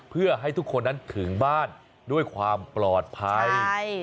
เพื่อให้ทุกคนนั้นถึงบ้านด้วยความปลอดภัย